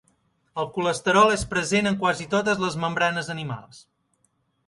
El colesterol és present en quasi totes les membranes animals.